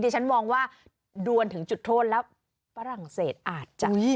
ดิฉันมองว่าดวนถึงจุดโทษแล้วประหลังเศสอาจจะเข้าบิน